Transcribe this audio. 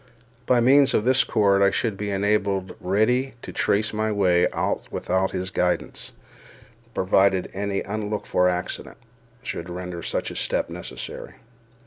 By means of this cord I should be enabled readily to trace my way out without his guidance, provided any unlooked for accident should render such a step necessary.